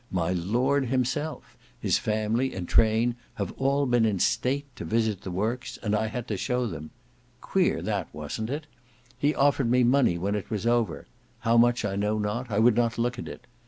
My Lord himself, his family and train, have all been in state to visit the works, and I had to show them. Queer that, wasn't it? He offered me money when it was over. How much I know not, I would not look at it.